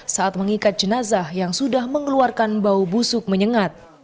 saat mengikat jenazah yang sudah mengeluarkan bau busuk menyengat